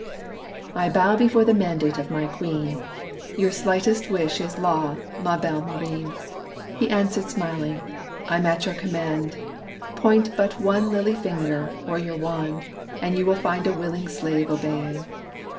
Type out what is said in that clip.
"I bow before the mandate of my queen: Your slightest wish is law, Ma Belle Maurine," He answered smiling, "I'm at your command; Point but one lily finger, or your wand, And you will find a willing slave obeying.